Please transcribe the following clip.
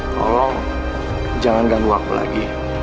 tolong jangan ganggu aku lagi